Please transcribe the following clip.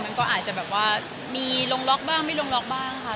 มันก็อาจจะแบบว่ามีลงล็อกบ้างไม่ลงล็อกบ้างค่ะ